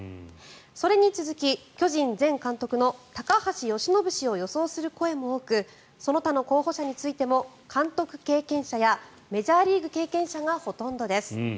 それに続き巨人前監督の高橋由伸氏を予想する声も多くその他の候補者についても監督経験者やメジャーリーグ経験者がほとんどです。